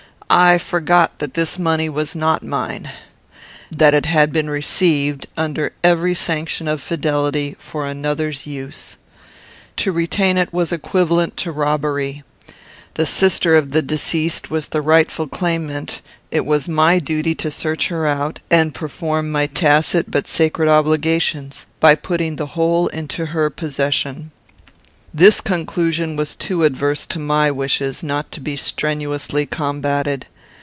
I forgot that this money was not mine. That it had been received, under every sanction of fidelity, for another's use. To retain it was equivalent to robbery. The sister of the deceased was the rightful claimant; it was my duty to search her out, and perform my tacit but sacred obligations, by putting the whole into her possession. "This conclusion was too adverse to my wishes not to be strenuously combated.